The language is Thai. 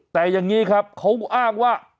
แต่อย่างนี้ครับเขาอ้างว่า